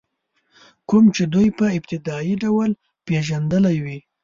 کوم چې دوی په ابتدایي ډول پېژندلي وي.